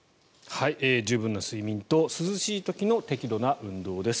十分な睡眠と涼しい時の適度な運動です。